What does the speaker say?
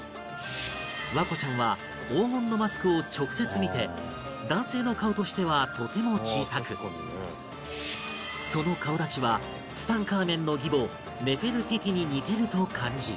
環子ちゃんは黄金のマスクを直接見て男性の顔としてはとても小さくその顔立ちはツタンカーメンの義母ネフェルティティに似てると感じ